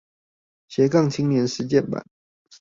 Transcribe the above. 斜槓青年實踐版